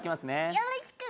よろしく！